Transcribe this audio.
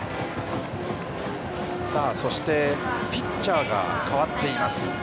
そしてピッチャーが代わっています。